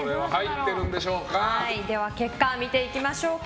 結果見ていきましょうか。